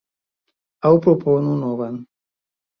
Aŭ proponu novan.